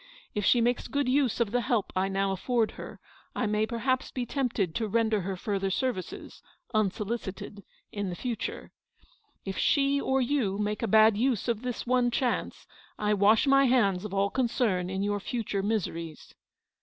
If she makes good use of the help I now afford her, I may perhaps be tempted to render her further services — unsolicited — in the future. If she or you make a bad use of this one chance, I wash my hands of all concern in your future miseries.